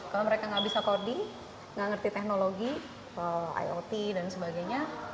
kalau mereka gak bisa koding gak ngerti teknologi iot dan sebagainya